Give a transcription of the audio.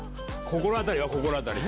心当たり。